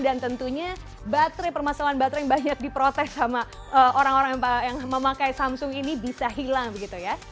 dan tentunya permasalahan baterai yang banyak diprotes sama orang orang yang memakai samsung ini bisa hilang